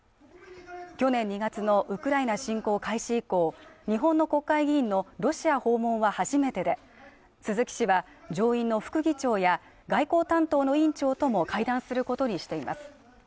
去年２月のウクライナ侵攻開始以降、日本の国会議員のロシア訪問は初めてで、鈴木氏は上院の副議長や外交担当の委員長とも会談することにしています。